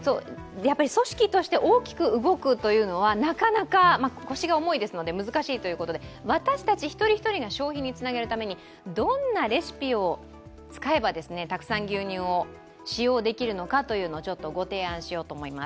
組織として大きく動くというのはなかなか腰が重いですので難しいということで、私たち一人一人が消費につなげるためにどんなレシピを使えばたくさん牛乳を使用できるのかというのをご提案しようと思います。